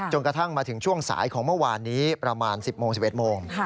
กระทั่งมาถึงช่วงสายของเมื่อวานนี้ประมาณ๑๐โมง๑๑โมง